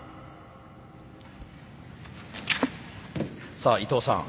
さあ伊藤さん